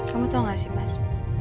kamu tau gak sih mas